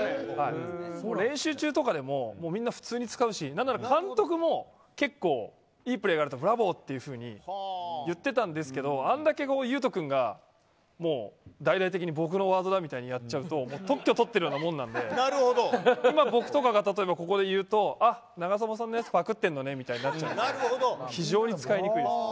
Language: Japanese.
練習中とかでもみんな普通に使うしなんなら監督も結構いいプレーがあるとブラボーというふうに言ってたんですけどあれだけ佑都君が大々的に僕のワードだみたいにやっちゃうと特許とってるようなもんなので僕とかが例えば、ここで言うとあ、長友さんのやつぱくってるのねみたいになっちゃう非常に使いにくい。